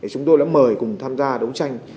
chúng tôi đã mời cùng tham gia đấu tranh